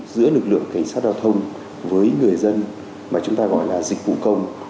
giữa lực lượng cảnh sát giao thông với người dân mà chúng ta gọi là dịch vụ công